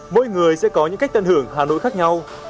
mỗi người sẽ có những cách tận hưởng hà nội khác nhau